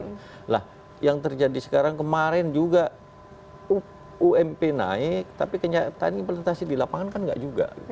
nah yang terjadi sekarang kemarin juga ump naik tapi kenyataan implementasi di lapangan kan nggak juga